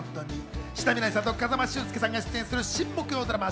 志田未来さんと風間俊介さんが出演する新木曜ドラマ